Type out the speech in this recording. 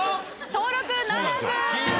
登録ならず！